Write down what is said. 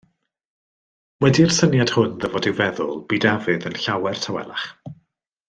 Wedi i'r syniad hwn ddyfod i'w feddwl, bu Dafydd yn llawer tawelach.